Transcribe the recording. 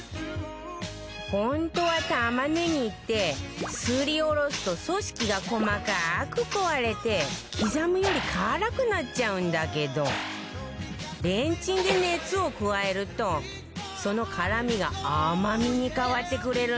本当は玉ねぎってすりおろすと組織が細かく壊れて刻むより辛くなっちゃうんだけどレンチンで熱を加えるとその辛みが甘みに変わってくれるんだって